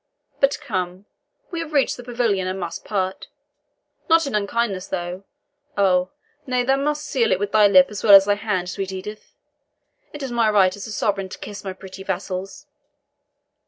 But come, we have reached the pavilion, and must part; not in unkindness thou, oh nay, thou must seal it with thy lip as well as thy hand, sweet Edith it is my right as a sovereign to kiss my pretty vassals."